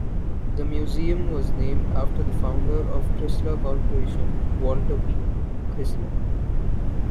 The museum was named after the founder of Chrysler Corporation, Walter P. Chrysler.